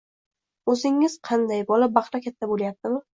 O’zingiz qanday, bola-baqra katta bo‘lyaptimi...